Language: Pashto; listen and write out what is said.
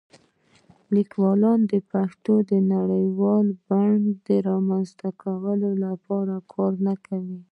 لیکوالان د پښتو د نړیوالې بڼې د رامنځته کولو لپاره کار نه کوي.